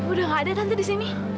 orang ada di sini